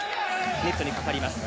ネットにかかります。